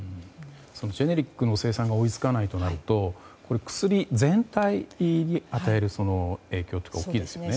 ジェネリックの生産が追いつかないとなると薬全体に与える影響とか大きいですよね。